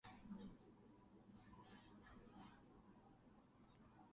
整合酶抑制剂可以通过妨害这一过程来达到控制逆转录病毒的作用。